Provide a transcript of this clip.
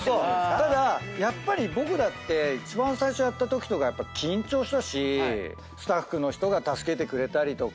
ただやっぱり僕だって一番最初やったときとか緊張したしスタッフの人が助けてくれたりとか。